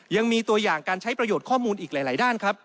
ยังมีตัวอย่างการใช้ประโยชน์ข้อมูลอีกหลายด้านครับ